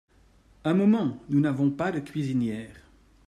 Un moment ! nous n’avons pas de cuisinière…